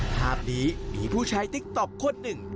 ภาพนี้มีผู้ใช้ติ๊กต๊อกคนหนึ่ง